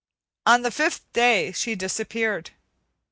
On the fifth day she disappeared.